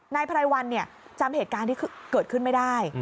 นายไพรวัลจำเหตุการณ์ที่เกิดขึ้นไม่ได้